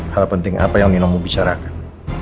hal penting apa yang nino mau bicarakan